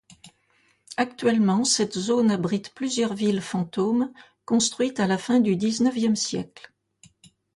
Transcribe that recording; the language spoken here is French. Actuellement, cette zone abrite plusieurs villes fantômes construites à la fin du dix-neuvième siècle.